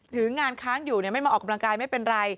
ถึงงานค้างอยู่ไม่มาออกกำลังกายไม่เป็นไร